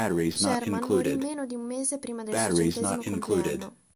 Sherman morì meno di un mese prima del suo centesimo compleanno.